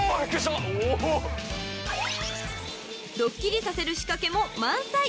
［ドッキリさせる仕掛けも満載］